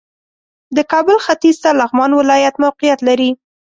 د کابل ختیځ ته لغمان ولایت موقعیت لري